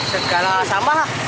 segala sampah lah